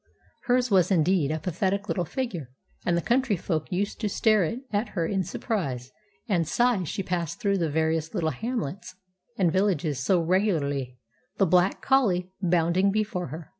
Hers was, indeed, a pathetic little figure, and the countryfolk used to stare at her in surprise and sigh as she passed through the various little hamlets and villages so regularly, the black collie bounding before her.